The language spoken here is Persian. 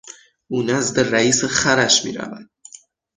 او نزد رئیس خرش میرود.